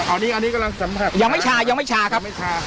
อันนี้กำลังสัมผัสยังไม่ชายังไม่ชาครับ